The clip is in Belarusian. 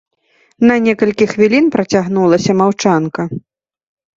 На некалькі хвілін працягнулася маўчанка.